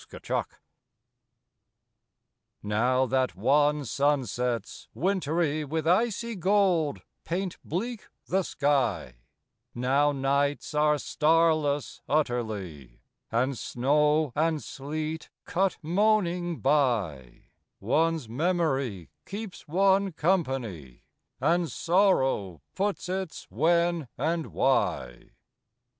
QUESTIONINGS Now that wan sunsets, wintery With icy gold, paint bleak the sky; Now nights are starless utterly, And snow and sleet cut moaning by, One's memory keeps one company, And sorrow puts its "when" and "why."